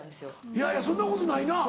いやいやそんなことないな。